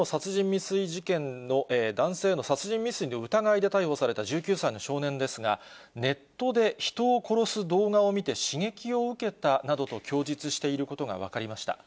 男性への殺人未遂の疑いで逮捕された１９歳の少年ですが、ネットで人を殺す動画を見て刺激を受けたなどと供述していることが分かりました。